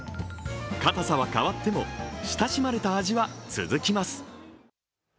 かたさは変わっても親しまれた味は続きます。